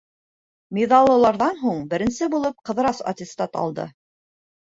Миҙаллыларҙан һуң беренсе булып Ҡыҙырас аттестат алды.